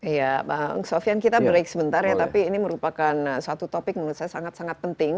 iya bang sofyan kita break sebentar ya tapi ini merupakan suatu topik menurut saya sangat sangat penting